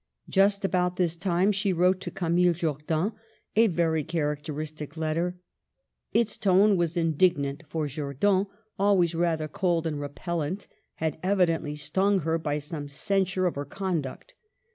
Just about this time she wrote to Camille Jordan a very charac teristic letter. Its tone was indignant, for Jordan, always rather cold and repellent, had evidently stung her by some censure of her conduct.